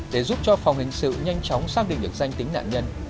để giúp cho phòng hình sự nhanh chóng xác định được danh tính nạn nhân